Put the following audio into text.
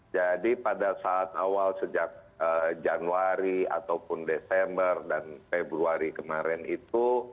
jadi pada saat awal sejak januari ataupun desember dan februari kemarin itu